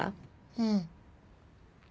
うん。